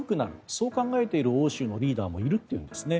そう考えている欧州のリーダーもいるというんです。